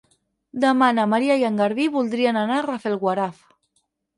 Demà na Maria i en Garbí voldrien anar a Rafelguaraf.